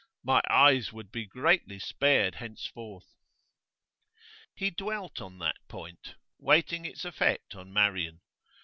'My eyes would be greatly spared henceforth.' He dwelt on that point, waiting its effect on Marian.